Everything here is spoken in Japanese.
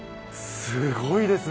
すごいですね。